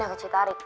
yang ke citarik